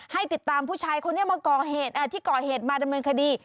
ให้ติดตามผู้ชายคนนี้มาก่อเหตุที่ก่อเหตุมาดำเนินคดี